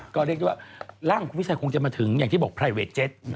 ก็เรียกได้ว่าร่างคุณวิชัยคงจะมาถึงอย่างที่บอกไพรเวทเจ็ต